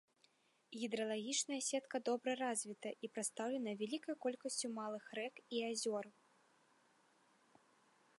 Гідралагічная сетка добра развіта і прадстаўлена вялікай колькасцю малых рэк і азёр.